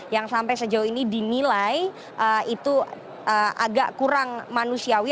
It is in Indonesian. yang sampai sejauh ini dinilai itu agak kurang manusiawi